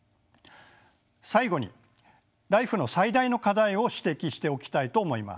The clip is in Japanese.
最後にＬＩＦＥの最大の課題を指摘しておきたいと思います。